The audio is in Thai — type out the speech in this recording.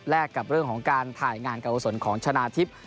กับเรื่องของการถ่ายงานการกุศลของชนะทิพย์